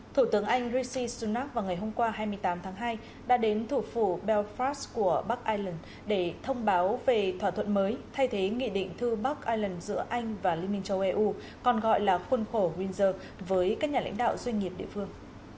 thủ tướng anh rishi sunak vào ngày hôm qua hai mươi tám tháng hai đã đến thủ phủ bellphast của bắc ireland để thông báo về thỏa thuận mới thay thế nghị định thư bắc ireland giữa anh và liên minh châu âu còn gọi là khuôn khổ winder với các nhà lãnh đạo doanh nghiệp địa phương